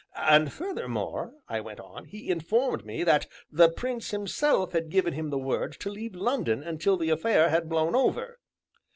"And furthermore," I went on, "he informed me that the Prince himself had given him the word to leave London until the affair had blown over."